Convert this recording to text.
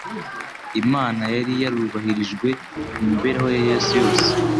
Imana yari yarubahirijwe mu mibereho ya Yesu yose,